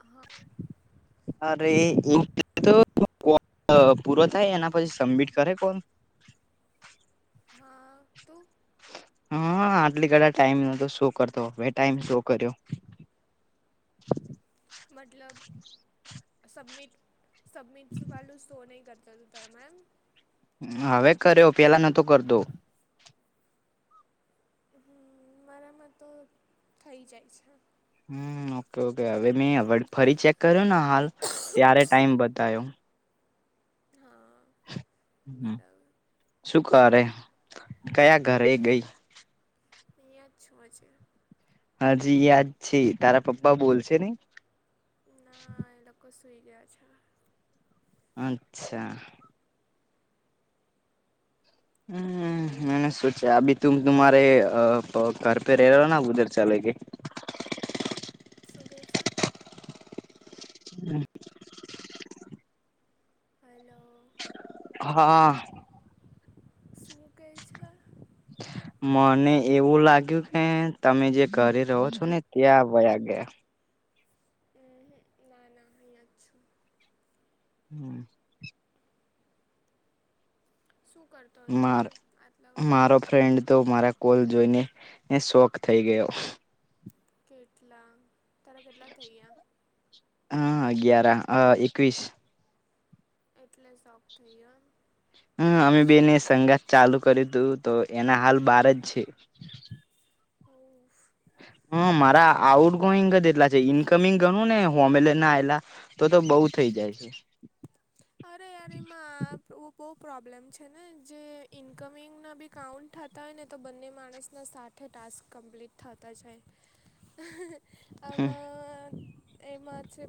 હા. અરે એતો કો પૂરો થાય એના પછી સબમિટ કરે કોણ હા તો હા આટલી ગળા ટાઈમ ન તો શું કરતો હવે ટાઈમ શો કર્યો. મતલબ સબમિટ સબમિટસ વાળુ તો નહીં કરતા. તરા મેમ હવે કર્યો પેલા નતો કરતો. હમ્મ. તમારામાં તો થઈ જાય છે. હમ્મ ઓકે ઓકે હવે મે હવે ફરી ચેક કર્યો ને હાલ ત્યારે ટાઈમ બતાયો. હા બરાબર શું કરે કયા ઘરે ગઈ. હીંયા જ છું હજી હાજી યાદ છે તારા પપ્પા બોલશે ને હા એ લોકો સુઈ ગયા છે. અચ્છા. હમ્મ બોલ મને શું છે આબી તુમ તુમારે ઘર પે રેલો ને ઉધર ચાલે કે સુ કહેસા. હમ્મ. હલો. હા. શૂં કે છે? [unintelligible] મને એવું લાગ્યું કે તમે જે કરી રહો છો ને ત્યાં વ્યા ગયા. હ ના ના અહીંયા જ છું. હમ્મ. શું કર? મા મારો ફ્રેન્ડ તો મારા કોલ જોઈને એ શોખ થઈ ગયો. કેટલા તારા કેટલા થઈ ગયા હા અગિયાર આ એકવીસ એટલે સોખ થઈયો હમ્મ અમે બેને સંગાત ચાલુ કર્યું તું તો એના હાલ બાર જ છે. ઓફ હમ્મ મારા આઉટ ગોઈંગ જ એટલા છે ઈનકમિંગ ગણું ને હોમેલે ના આલા તો તો બઉ થઈ જાય છે. અરે અરે માં બહું પ્રોબ્લેમ છે ને જે ઈન્કમિંગના બી કાઉન્ટ હતા. હોય ને તો બંને માણસના સાથે ટાસ્ક કમ્પ્લીટ થતા જાય. આમાં એમાં છે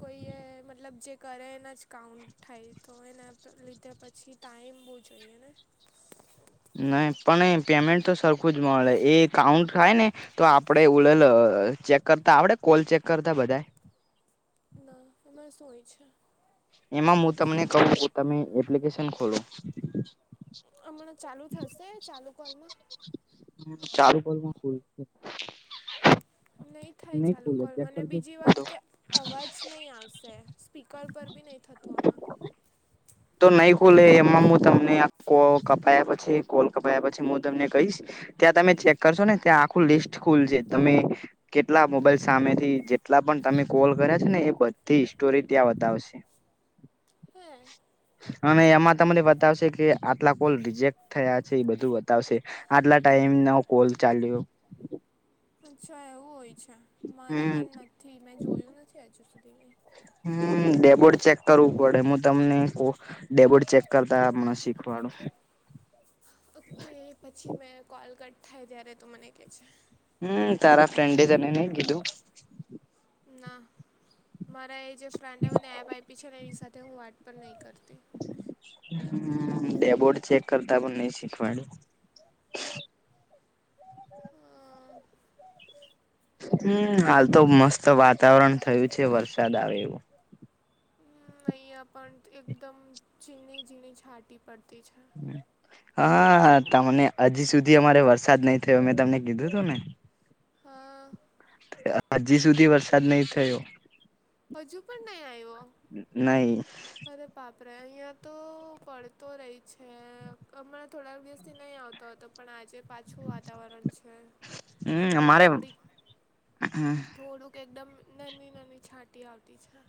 કોઈ મતલબ જે કરે એના જ કાઉન્ટ થાય તો એને લીધે પછી ટાઈમ બહુ જોઈએ ને નહી પણ પેમેન્ટ તો સરખું જ મળે એ કાઉન્ટ થાય, ને. તો આપડે ઉડલ ચેક કરતા આવડે કોલ ચેક કરતા બધા? ના એમાં શું હોય છે? એમાં હું તમને કહું તમે એપ્લિકેશન ખોલો? હમણાં ચાલુ થશે ચાલુ કોલમાં? હ ચારું પરમાં ફૂલ [inaudible] નહી થાય ચાલુ કરવું અને બીજી વાત કરજો કે અવાજ નહીં આવશે. સ્પીકર પર બી નહીં થતું આમાં. તો નહી ખુલે એમાં હું તમને આખો કપાયા પછી કોલ કપયા પછી હું તમને કહીશ ત્યાં તમે ચેક કરશો ને ત્યાં આખું લિસ્ટ ખુલશે, તમે કેટલા મોબાઈલ સામેથી જેટલા પણ તમે કોલ કર્યા છે ને એ બધી સ્ટોરી ત્યાં બતાવશે. [unintelligible] [unintelligible] અને એમાં તમને બતાવશે કે આટલા કોલ રિજેક્ટ થયા છે, એ બધું બતાવશે. આટલા ટાઈમ ના કોલ ચાલ્યો. અચ્છા એવું હોય છે, હમ મારામાં નથી મેં જોયું નથી હજુ સુધી કઈ. હમ ડેબોડ ચેક કરવું પડે હું તમને ડેબટ ચેક કરતા મને શીખવાડું. ઓકે પછી મેં કોલ કટ થાય ત્યારે તો મને કહે જે. હમ્મ તારા ફ્રેન્ડે તને નઈ કીધું? ના. મારા એ જે ફ્રેન્ડને મને એપ આપી છે, ને એની સાથે હું વાત પણ નહી કરતી. હમ્મ ડેબોડ ચેક કરતા પણ નહી શીખવાડ્યું? અમ, હમ્મ. હાલ તો મસ્ત વાતાવરણ થયું છે, વરસાદ આવે એવું. નહીંયા પણ એકદમ ઝીણી ઝીણી છાંટી પડતી છે. હા, તમને હજી સુધી અમારે વરસાદ નહી થયો મેં તમને કીધું હતું ને, હા, હજી સુધી વરસાદ નહી થયો. હજુ પણ નહીં આવ્યો? નહી. અરે બાપરે. અહિયાં તો પળતો રહી છે. હમણા થોડાક દિવસથી નહી આવતો. તો તો પણ આજે પાછું વાતાવરણ છે. હમ અરા અમારે થોડી હમ થોડું એકદમ નાની નાની છાંટી આવતી છે.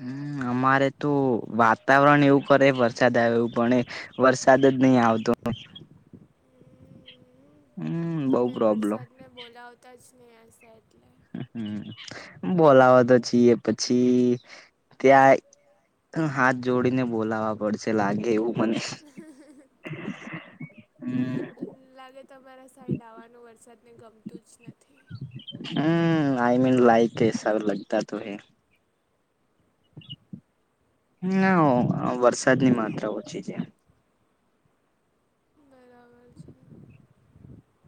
હમ. અમારે તો વાતાવરણ એવું કરે વરસાદ આવે એવું પણ વરસાદ જ નહી આવતો. હમ બઉ તમે પ્રોબ્લેમ વરસાદને બોલાવતા જ નહીં હશે એટલે. હ બોલાવા તો છીએ પછી ત્યાં હાથ જોડીને બોલાવવા પડશે લાગે એવું. મને હ. લાગે તમારા સાઈડ આવવાનો વરસાદને ગમતું જ નથી. હમ આઈ મીન લાાઈક એસાબ લગતા ત હ. ના. વરસાદ ની માત્રા ઓછી છે. બરાબર છે.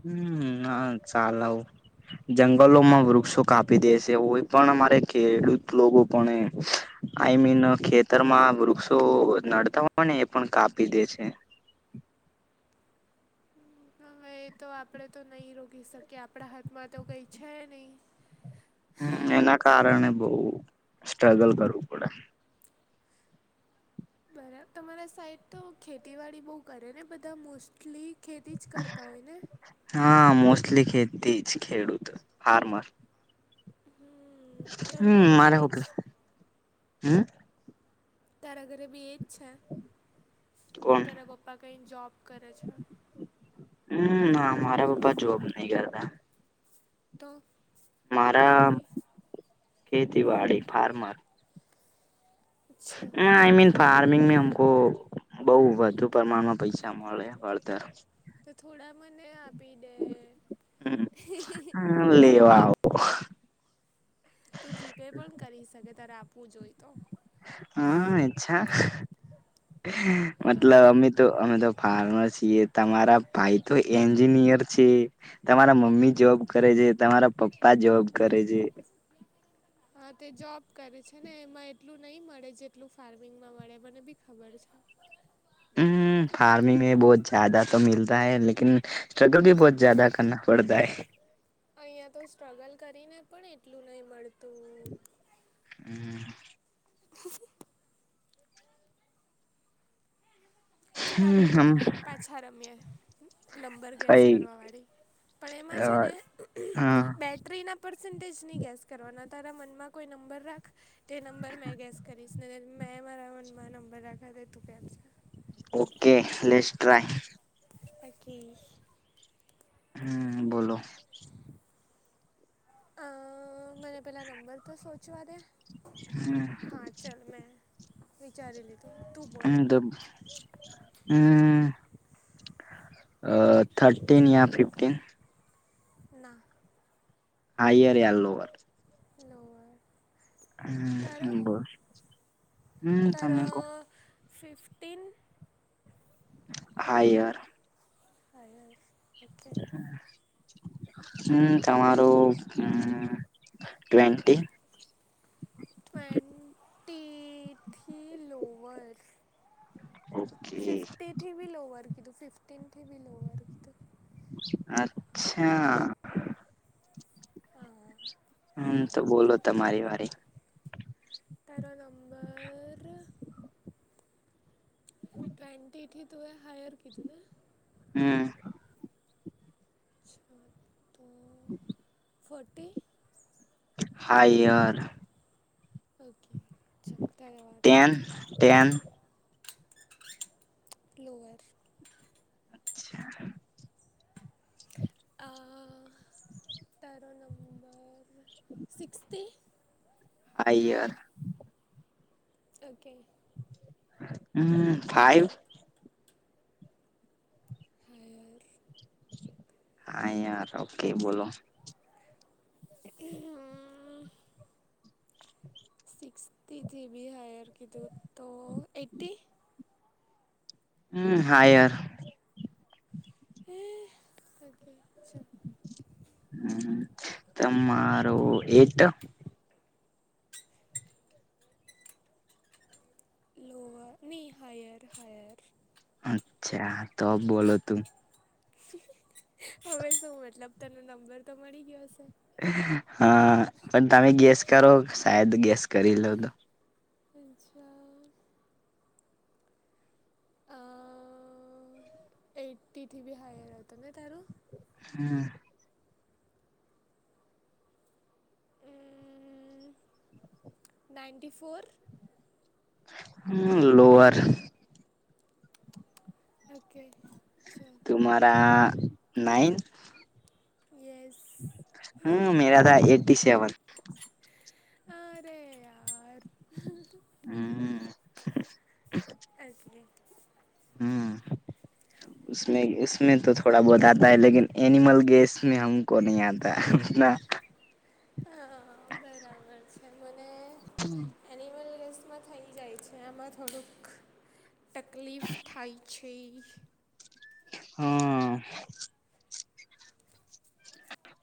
હમ હ ચાલ. જંગલોમાં વૃક્ષો કાપી દે છે. કોઈ પણ અમારે ખેડૂત લોકો પણ આઈ મીન ખેતરમાં વૃક્ષો નડતા હોય ને એ પણ કાપી દે છે. હવે એ તો આપણે તો નહીં રોકી શકીએ આપણા હાથમાં તો કંઈ છે નહીં. એના કારણે બઉ સ્ટ્રગલ કરવું પડે. બરા તમારા સાઈડ તો ખેતીવાડી બહુ કરે ને બધા મોસ્ટલી ખેતી જ કરતા હોય ને હા મોસ્ટલી ખેતી જ ખેડૂત ફાર્મર હમ તારી હમ ઘરે બી મારે એજ હોટલ હમ. તારા ઘરે બી એ જ છે કે કોણ તારા પપ્પા કંઈ જોબ કરે છે. હમ ના મારા પપ્પા જોબ નહી કરતા. તો મારા ખેતીવાડી ખેતીવાડી ફાર્મર અચ્છા હમઈમીન ફાર્મિંગમાં અમક બઉ વધુ પ્રમાણમાં પૈસા મળે વળતર તો થોડા મને આપી દે હ લવા આવ તું જીપે પણ કરી શકે ત્યારે આપવું જોઈ તો હા ચ્છા મતલબ હા અમે તો અમે તો ફાર્મર છીએ તમારા ભાઈ તો એન્જિનિયર છે તમારા મમ્મી જોબ કરે છે તમારા પપ્પા જોબ કરે છે હા તે જોબ કરે છે ને એમાં એટલું નહી મળે જેટલું ફાર્મિંગમાં મળે મને બી ખબર છે હ ફાર્મિંગ મે બહુ જ્યાદા તો મીતા હૈ લકિન સ્ટ્રગલ ભી બહુ જ્યાદા કરના પડતા હ અહિયાં તો સ્ટ્રગલ કરી ને પણ એટલું નહી મળતું હમ ચાલ આપડે પેલી હમ ગેમ પાછા રમીએ નંબર ગેસ કઈ કરવાવાળી પણ એમાં છે ને હા બેટરીના પર્સન્ટેજની ગેસ કરવાના તારા મનમાં કોઈ નંબર રાખ તે નંબર મેં ગેસ કરીશ ને મેં મારા મનમાં નંબર રાખાતો તું કેમ છે ઓકે લેસ ટ્રાય પકી હમ બોલો આ. મને પેલા નંબર તો સોચવા દે હમ હા ચાલ મે. વિચારી લીધું તું બોલે. તબ. હમ થર્ટીીન યા ફિફ્ટીન. ના. હાયર યા લોવર. લઅર. હમ બર હમ તારો તમે ક. ફિફ્ટીન. હા યાર. ફર. હમ તમારું હમ. ટ્વેન્ટન્ટી. ટ્વેન્ટન્ટીથી લોવર. ઓકે ફિફ્ટથી બી લોવર કીધું ફિફથી બી લોવર કીધું. અચ્છા. હા. હમ તો બોલો તમારી વારી. તેરો નંબર. ટ્વેન્ટીથી તવે હાયર કધું ને. હમ. અચ્છા તો. હમ. ફોટી. હાઈાર. ઓકે ચાલો ધન્યવાદ. એન. લુઅર. છાઆ. અ તારો નંબર સિક્સ્તી. આઈ યાર. ઓકે. હમ ફાઈવ. હાયર. હા યાર ઓકે બોલો. [unintelligible] હ. ઈકસ્તિથી થી બી હાયર કીધું તો એટ્ટી. હમ હાયર. એ [inaudible] હમ્મ હમ્મ તમારું એટ. લોઅ ની હાયર હાયર. અચ્છા તો બોલો તું. હવે શું મતલબ, તને નંબર તો મળી ગયો હશે? હા, પણ તમે ગેસ કરો સાાયદ ગેસ કરી લો તો. હચ્છા. અઅ એટ્ટી થી બી હાયર હતો ને તારું. હમ. હ. Ninety four. હમ લોઅર ઓકે, ચલ. તુમ્હારા નાઇન યસ. હમ્મ, મેરા થા એટી સેવન. અરે યાર. હમ્મહ. અકે હમ્મ. ઉસ નઈ ઉસ્મે તો થોડા બહુત આતા હૈ લેકિન એનિમલ ગેસ મે હમકો નહી આતા. ના હહ બરાબર છે મને એનિમલ રેસમાં થઈ જાય છે. આમાં થોડુંક ટકલીફ થાય છે. [inaudible] [unintelligible] હહહ.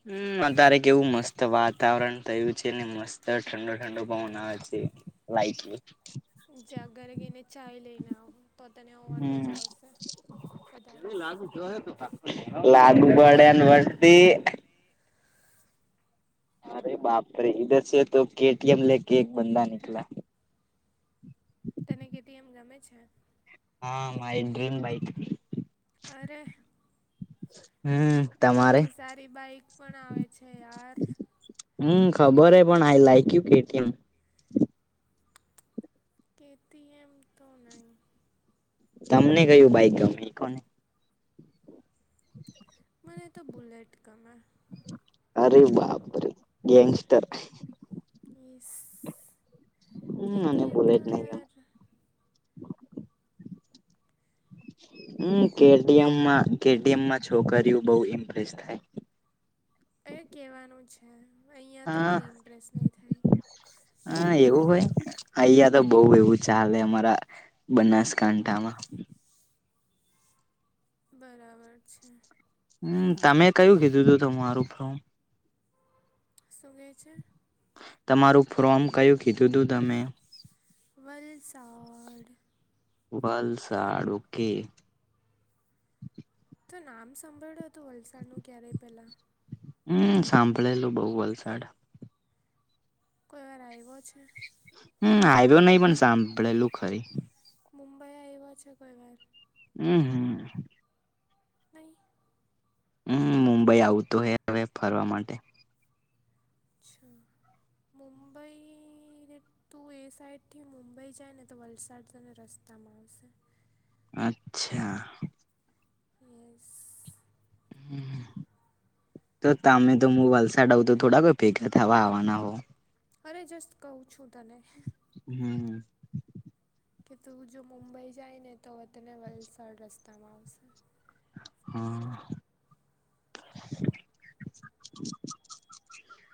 હમ્મ, અતારે કેવું મસ્ત વાતાવરણ થયું છે ને મસ્ત ઠંડો ઠંડો પવન આવે છે. [unintelligible] જા ઘરે કેયને ચાાય લેઈને આવ. તો તને ઓર મજા હમ આવશે વધારે. લાગુ પડે ને વસ્તી. અરે બાપરે! ઈધર સે તો કેટીએમ લે કે એક બંધા નીકલા તને કેટીએમ ગમે છે? હ માયી ડ્રીમ બાઇક. અરે! [unintelligible] તમારે એનાથી સારી બાઈક પણ આવે છે યાર. હમ્મ, ખબર હે પણ આઈ લાઈકયુ કેટીએમ. કે તી એમ તો નઈ. તમને કયું બાઈક ગમે એ કો ને? મને તો બુલેટ ગમે. અરે બાપરે! ગેંગસ્ટર. યેસ કે હમ્મ મને તી એમ તો બુલેટ નહી યાર ગમતી હમ્મ કે ડી એમમાં, કે ડીમમાં છોકરીઓ બઉ ઇમ્પ્રેસ થાય. એ કેહવાનું છે, અહીંયા તો હા કોઈ ઇમ્પ્રેસ નહીં થાય. હા એવું હોય? અહીંયા તો બઉ એવું ચાલે અમારા બનાસકાંઠામાં. બરાબર છે. હમ્મ તમે કયું કીધું તું હતું તમારુ ફ્રોમ? શું કે છે? તમારું ફ્રોમ કયું કીધું તું તમે? વલસાડ. વલસાડ, ઓ કે. તો નામ સાંભળ્યું હતું વલસાડ નું ક્યારેય પેલા? હમ્મ સાંભળેલું બઉ વલસાડ. કોઈ વાર આઈવો છે? હમ્મ આઈવે નહી પણ સાંભળેલું ખરી. મુંબઈ આઈવા છે કોઈ વાર? અહમ્મ. નહી? હમ્મ, મુંબઈ આવતો હે હવે ફરવા માટે. અચ્છા મુંબઈ રી તું એ સાઈડથી મુંબઈ જાય ને તો વલસાડ તને રસ્તામાં આવશે. અચ્છા. યેસ. હમ્મ હમ્મ, તો તમે તો હું વલસાડ આઉં તો થોડા કોઈ ભેગા થવા આવવાના હોવ. અરે જસ્ત કહું છું તને. હમ્મ હમ્મ. કે તું જો મુંબઈ જાય ને તો તને વલસાડ રસ્તામાં આવસે. હા.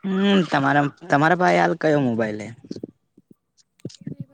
હમ્મ, તમારા તમારા પાસે હાલ કયો મોબાઈલ એ? મારી પ